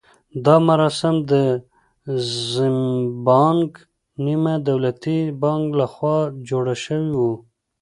دا مراسم د زیمبانک نیمه دولتي بانک لخوا جوړ شوي وو.